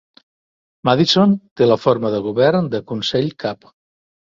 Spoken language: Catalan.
Madison té la forma de govern de consell-cap.